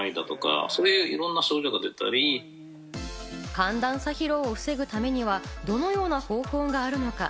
寒暖差疲労を防ぐためには、どのような方法があるのか？